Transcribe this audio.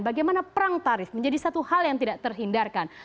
bagaimana perang tarif menjadi satu hal yang tidak terhindarkan